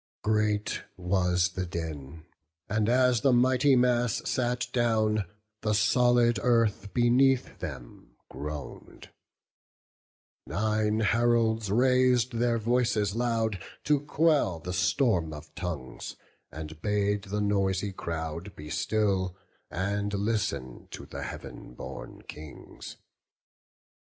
Great was the din; and as the mighty mass Sat down, the solid earth beneath them groan'd; Nine heralds rais'd their voices loud, to quell The storm of tongues, and bade the noisy crowd Be still, and listen to the Heav'n born Kings.